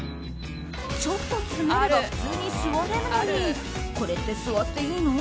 ちょっと詰めれば普通に座れるのにこれって座っていいの？